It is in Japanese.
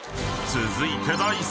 ［続いて第３位］